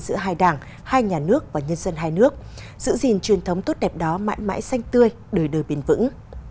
giữa hai đảng hai nhà nước và nhân dân hai nước giữ gìn truyền thống tốt đẹp đó mãi mãi xanh tươi đời đời bền vững